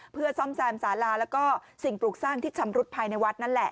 เพื่อซ่อมแซมสาราแล้วก็สิ่งปลูกสร้างที่ชำรุดภายในวัดนั่นแหละ